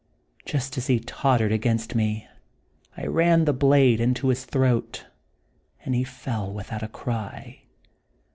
Just as he tottered against me I ran the blade into his throat, and he fell without a cry.